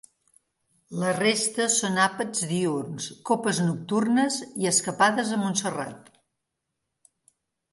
La resta són àpats diürns, copes nocturnes i escapades a Montserrat.